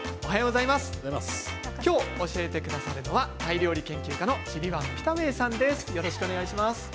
今日教えてくださるのはタイ料理研究家のシリワン・ピタウェイさんです。